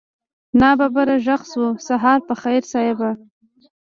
ناببره غږ شو سهار په خير صيب.